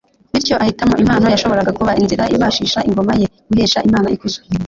bityo ahitamo impano yashoboraga kuba inzira ibashisha ingoma ye guhesha imana ikuzo